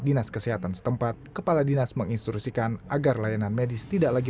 dinas kesehatan setempat kepala dinas menginstrusikan agar layanan medis tidak lagi